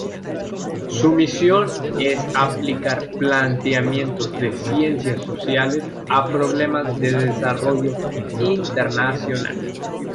Su misión es aplicar planteamientos de ciencias sociales a problemas de desarrollo internacional.